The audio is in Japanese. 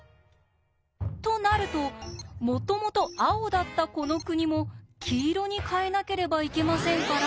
となるともともと青だったこの国も黄色に変えなければいけませんから。